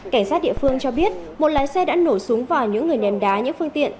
cảnh sát địa phương cho biết một lái xe đã nổ súng vào những người ném đá những phương tiện